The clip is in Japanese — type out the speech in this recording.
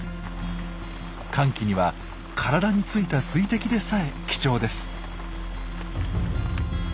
乾季には体についた水滴でさえ貴重です。